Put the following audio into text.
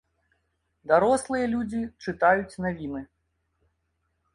Дарослыя людзі чытаюць навіны.